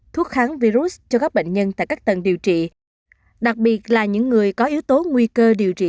thuốc kháng virus cho các bệnh nhân tại các tầng điều trị đặc biệt là những người có yếu tố nguy cơ điều trị